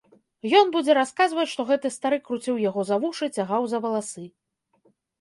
Ён будзе расказваць, што гэты стары круціў яго за вушы, цягаў за валасы.